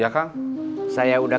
kita mau murah